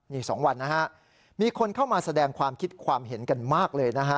นี่๒วันนะฮะมีคนเข้ามาแสดงความคิดความเห็นกันมากเลยนะฮะ